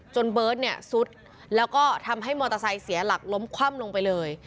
เบิร์ตเนี่ยซุดแล้วก็ทำให้มอเตอร์ไซค์เสียหลักล้มคว่ำลงไปเลย